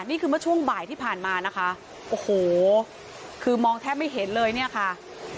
นี่คือเมื่อช่วงบ่ายที่ผ่านมานะคะโอ้โหคือมองแทบไม่เห็นเลยเนี่ยค่ะ